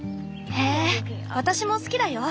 へえ私も好きだよ。